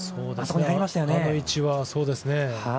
あの位置はそうですね。